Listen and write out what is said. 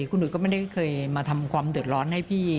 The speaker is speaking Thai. คุณอุ๋ยก็ไม่ได้เคยมาทำความเดือดร้อนให้พี่